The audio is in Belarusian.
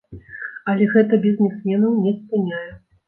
Але гэта бізнесменаў не спыняе.